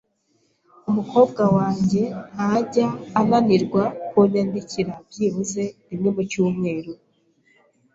Umukobwa wanjye ntajya ananirwa kunyandikira byibuze rimwe mu cyumweru.